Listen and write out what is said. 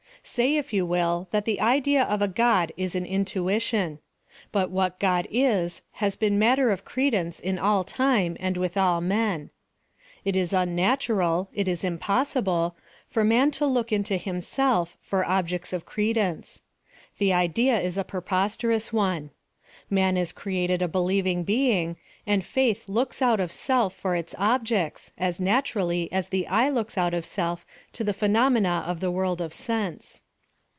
Say, if you will, that the idea of a God is an intuition ; but what God is has been matter of credence in all time and with all men. It is unnatural, it is impossible, for man to look into himself for objects of credence. The idea is a preposterous one. Man is created a believing be ing, and Faith looks out of self for its objects, as naturally as the eye looks out of self to the phe nomena of the world of sense.